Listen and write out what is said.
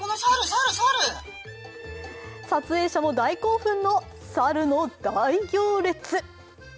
撮影者も大興奮の猿の大行列。